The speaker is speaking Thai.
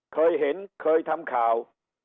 เคยเห็นเคยทำข่าว